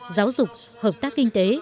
giáo dục hợp tác kinh tế